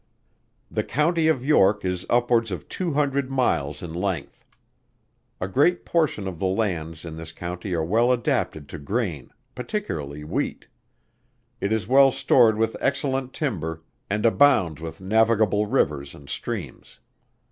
The County of York is upwards of two hundred miles in length. A great portion of the lands in this county are well adapted to grain, particularly wheat. It is well stored with excellent timber and abounds with navigable rivers and streams.